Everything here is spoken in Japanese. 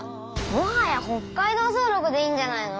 もはや北海道すごろくでいいんじゃないの？